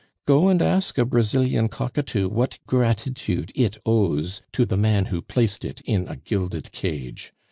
Go and ask a Brazilian cockatoo what gratitude it owes to the man who placed it in a gilded cage.